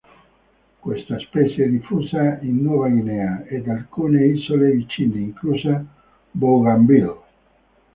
Questa specie è diffusa in Nuova Guinea ed alcune isole vicine, inclusa Bougainville.